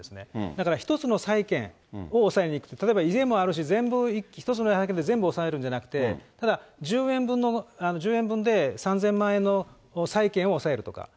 だから１つの債権を押さえに行くと、例えば、全部、１つの税だけで、全部押さえるんじゃなくて、ただ１０円分で３０００万円の債権を押さえるとか。